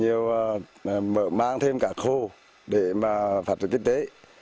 nhiều mở mang thêm cả khu để mà phát triển kinh tế